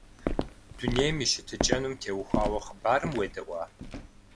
Дунейм и щытыкӏэнум теухуа хъыбарым уедэӏуа?